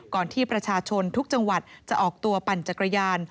ที่ประชาชนทุกจังหวัดจะออกตัวปั่นจักรยาน